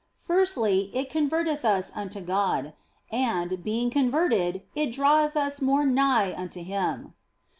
Firstly, it converteth us unto God ; and, being con verted, it draweth us more nigh unto Him.